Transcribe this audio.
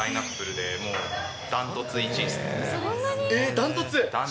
断トツ。